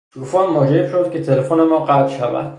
توفان موجب شد که تلفن ما قطع شود.